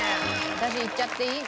私いっちゃっていい？